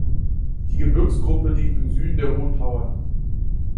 Die Gebirgsgruppe liegt im Süden der Hohen Tauern.